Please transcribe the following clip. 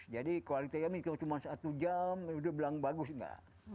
jadi quality nya cuma satu jam udah bilang bagus nggak